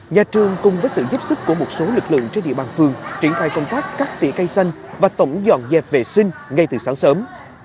nhà trường cùng với sự giúp sức của một số lực lượng trên địa bàn phường triển khai công tác cắt tỉa cây xanh và tổng dọn dẹp vệ sinh ngay từ sáng sớm